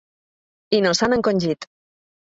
I no s’han encongit.